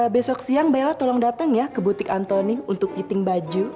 besok siang mbak ella tolong datang ya ke butik antoni untuk kiting baju